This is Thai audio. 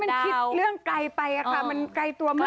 มันคิดเรื่องไกลไปค่ะมันไกลตัวมาก